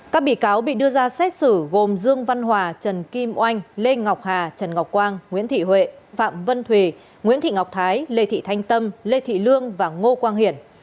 các bị cáo bị đưa ra xét xử gồm dương văn hòa trần kim oanh lê ngọc hà trần ngọc quang nguyễn thị huệ phạm vân thùy nguyễn thị ngọc thái lê thị thanh tâm lê thị lương và ngô quang hiển